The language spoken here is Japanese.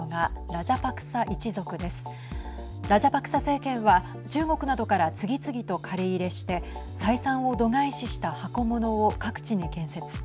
ラジャパクサ政権は中国などから次々と借り入れして採算を度外視したハコモノを各地に建設。